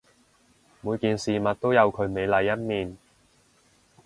每件事物都有佢美麗一面